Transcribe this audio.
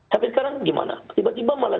sampai sekarang gimana tiba tiba malah